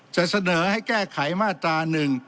จะเสนอให้แก้ไขมาตรา๑๑